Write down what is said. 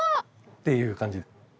ていう感じです。